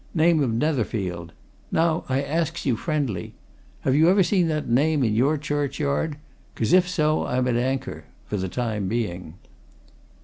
Name of Netherfield. Now I asks you, friendly ha' you ever seen that name in your churchyard? 'Cause if so I'm at anchor. For the time being."